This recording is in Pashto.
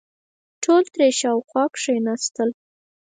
ټول ترې شاوخوا کېناستل.